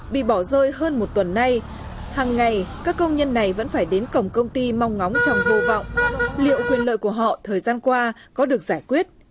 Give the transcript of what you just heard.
bị bỏ rơi hơn một tuần nay hằng ngày các công nhân này vẫn phải đến cổng công ty mong ngóng trong vô vọng liệu quyền lợi của họ thời gian qua có được giải quyết